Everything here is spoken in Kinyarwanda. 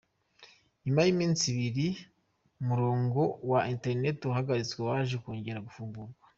Nyuma y’iminsi ibiri umurongo wa internet uhagaritswe waje kongera gufungurwa.